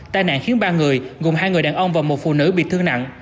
tai nạn khiến ba người gồm hai người đàn ông và một phụ nữ bị thương nặng